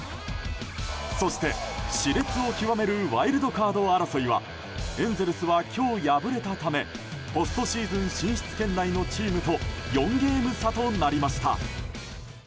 そして、熾烈を極めるワイルドカード争いはエンゼルスは今日敗れたためポストシーズン進出圏内のチームと４ゲーム差となりました。